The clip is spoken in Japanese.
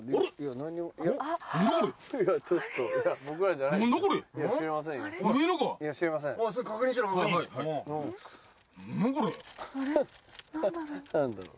何だろう？